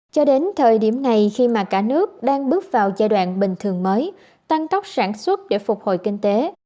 cho đến thời điểm này khi mà cả nước đang bước vào giai đoạn bình thường mới tăng tốc sản xuất để phục hồi kinh tế